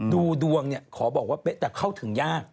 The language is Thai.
ดูดวงขอบอกว่าเบะแต่เข้าถึงยาก